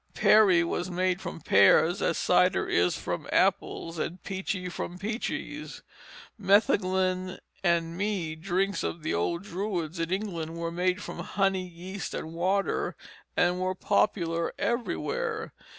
Perry was made from pears, as cider is from apples, and peachy from peaches. Metheglin and mead, drinks of the old Druids in England, were made from honey, yeast, and water, and were popular everywhere.